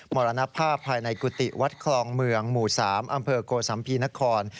มรณภาพภายในกุฏิวัดคลองเมืองหมู่๓อำเภอโกสัมภีนคร